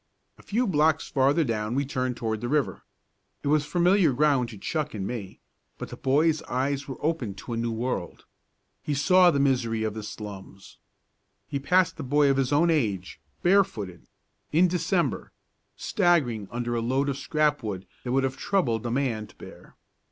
A few blocks farther down we turned toward the river. It was familiar ground to Chuck and me but the boy's eyes were opened to a new world. He saw the misery of the slums. He passed a boy of his own age, barefooted in December staggering under a load of scrap wood that would have troubled a man to bear.